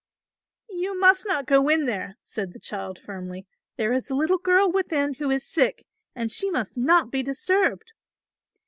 "You must not go in there," said the child firmly; "there is a little girl within who is sick and she must not be disturbed."